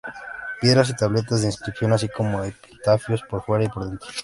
Piedras y tabletas de inscripción, así como epitafios por fuera y por dentro.